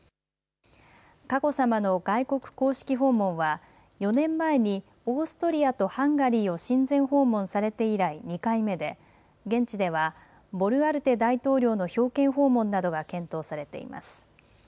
佳子さまの外国公式訪問は、４年前にオーストリアとハンガリーを親善訪問されて以来２回目で、現地では、ボルアルテ大統領の表敬訪問などが検討されています。